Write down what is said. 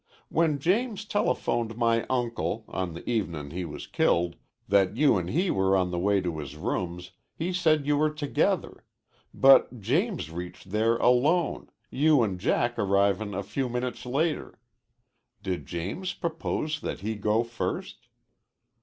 "When James telephoned my uncle, on the evenin' he was killed, that you an' he were on the way to his rooms, he said you were together; but James reached there alone, you an' Jack arrivin' a few minutes later. Did James propose that he go first?"